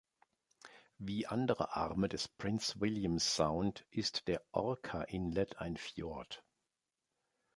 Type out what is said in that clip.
Wie andere Arme des Prince William Sound ist der Orca Inlet ein Fjord.